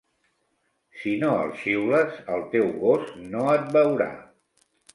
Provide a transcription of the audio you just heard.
Si no el xiules, el teu gos, no et veurà.